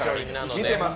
見てます